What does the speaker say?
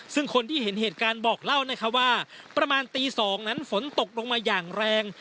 ซึ่งคนที่เห็นเหตุการณ์บอกเล่านะคะว่าประมาณตี๒นั้นฝนตกลงมาอย่างแรง